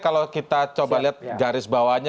kalau kita coba lihat garis bawahnya